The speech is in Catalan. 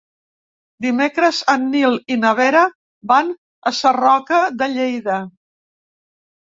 Dimecres en Nil i na Vera van a Sarroca de Lleida.